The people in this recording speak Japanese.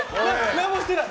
何もしてない。